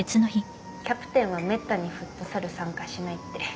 キャプテンはめったにフットサル参加しないって